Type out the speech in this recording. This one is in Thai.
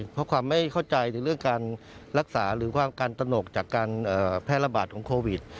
เพราะความไม่เข้าใจในเรื่องการรักษาหรือความการตนกจากการแพร่ระบาดของโควิด